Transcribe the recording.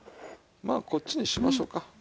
まあこっちにしましょうか。